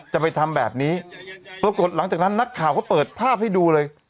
จะไปทำแบบนี้ปรากฏหลังจากนั้นนักข่าวก็เปิดภาพให้ดูเลย